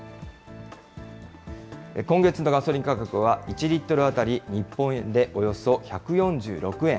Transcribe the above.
今月のガソリン価格は、１リットル当たり日本円でおよそ１４６円。